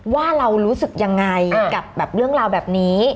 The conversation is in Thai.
ว่าเรารู้สึกยังไงกับเรื่องราวแบบนี้